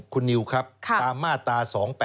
คุณนิวครับตามมาตรา๒๘๘